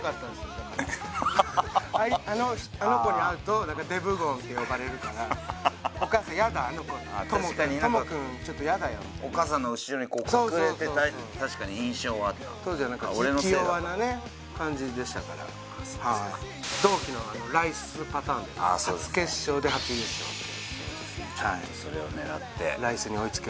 だからあの子に会うとデブゴンって呼ばれるから「お母さんヤダあの子」「トモ君ちょっとヤダよ」みたいなお母さんの後ろに隠れてた確かに印象はあった当時は気弱なね感じでしたから俺のせいだった同期のライスパターンでそれを狙ってライスに追いつけ